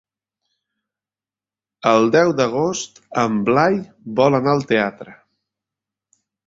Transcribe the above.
El deu d'agost en Blai vol anar al teatre.